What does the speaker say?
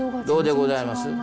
どうでございます？